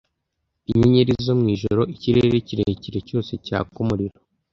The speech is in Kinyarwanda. inyenyeri zo mw'ijoro ikirere kirekire cyose cyaka umuriro